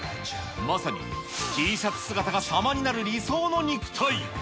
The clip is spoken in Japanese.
まさにＴシャツ姿がさまになる理想の肉体。